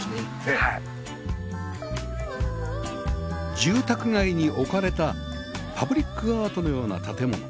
住宅街に置かれたパブリックアートのような建物